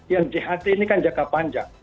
yang jht ini kan jangka panjang